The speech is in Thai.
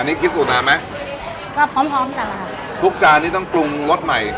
นี่คิดสูตรนานไหมก็พร้อมพร้อมกันล่ะค่ะทุกจานนี้ต้องปรุงรสใหม่